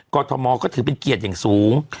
กรทมก็ถือเป็นเกียรติอย่างสูง